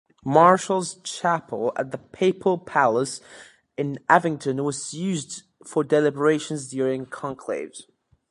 Martial's chapel at the Papal palace in Avignon was used for deliberations during conclaves.